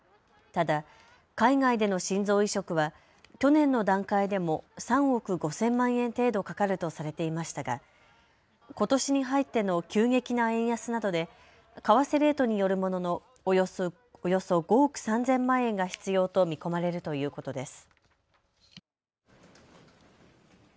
ただ海外での心臓移植は去年の段階でも３億５０００万円程度かかるとされていましたがことしに入っての急激な円安などで為替レートによるもののおよそ５億３０００万円が必要と見込まれるということです。